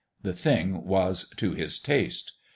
The thing was to his taste.